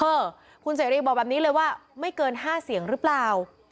เออคุณเสรีบอกแบบนี้เลยว่าไม่เกิน๕เสียงหรือเปล่า